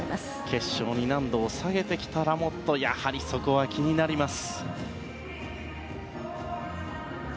決勝に難度を下げてきたラモットやはりそこは気になります。